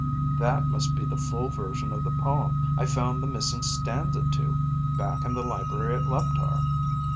_ "That must be the full version of the poem I found the missing stanza to back in the library at Leptar."